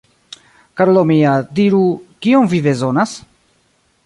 Karulo mia, diru, kiom vi bezonas?